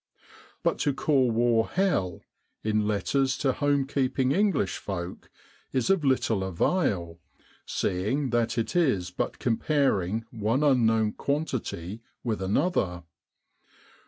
But to call war Hell, in letters to home keeping English folk, is of little avail, seeing that it is but comparing one unknown quantity with another.